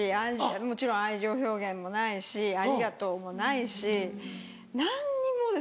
もちろん愛情表現もないし「ありがとう」もないし何にもですよ。